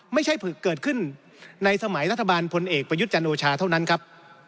ไม่ใช่เกิดขึ้นในสมัยรัฐบาลพลเอกประยุทธ์จันโอชาเท่านั้นครับ